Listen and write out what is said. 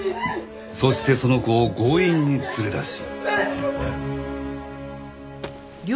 そしてその子を強引に連れ出し。